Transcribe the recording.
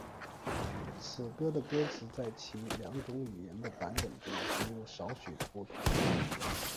此歌的歌词在其两种语言的版本中仅有少许的不同。